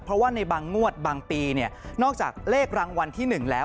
เพราะว่าในบางงวดบางปีนอกจากเลขรางวัลที่๑แล้ว